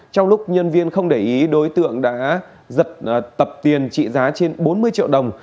trong lúc nhân viên không để ý đối tượng đã giật tập tiền trị giá trên bốn mươi triệu đồng